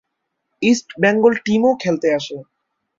East Bengal টীম-ও খেলতে আসে।